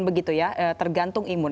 begitu ya tergantung imun